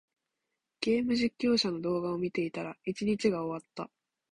ゲーム実況者の動画を見ていたら、一日が終わった。